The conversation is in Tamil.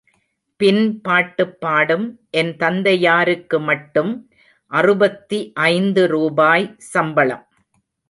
பின்பாட்டுப் பாடும் என் தந்தையாருக்கு மட்டும் அறுபத்தி ஐந்து ரூபாய் சம்பளம்.